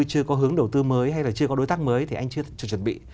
chưa có hướng đầu tư mới hay là chưa có đối tác mới thì anh chưa chuẩn bị